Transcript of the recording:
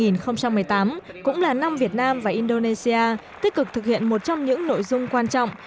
năm hai nghìn một mươi tám cũng là năm việt nam và indonesia tích cực thực hiện một trong những nội dung quan trọng